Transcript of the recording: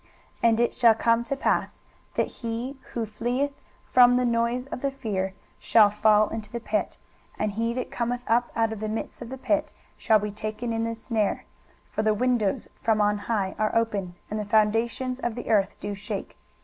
23:024:018 And it shall come to pass, that he who fleeth from the noise of the fear shall fall into the pit; and he that cometh up out of the midst of the pit shall be taken in the snare: for the windows from on high are open, and the foundations of the earth do shake.